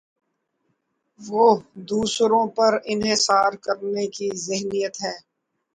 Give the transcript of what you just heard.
وہ دوسروں پر انحصار کرنے کی ذہنیت ہے۔